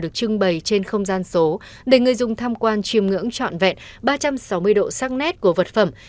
được trưng bày trên không gian số để người dùng tham quan chìm ngưỡng trọn vẹn ba trăm sáu mươi độ sắc nét của vật phẩm